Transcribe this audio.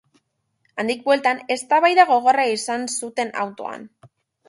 Handik bueltan, eztabaida gogorra izan zuten autoan.